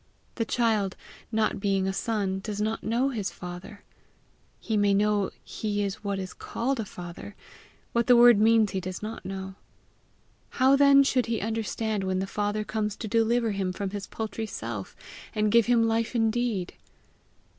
The child, not being a son, does not know his father. He may know he is what is called a father; what the word means he does not know. How then should he understand when the father comes to deliver him from his paltry self, and give him life indeed!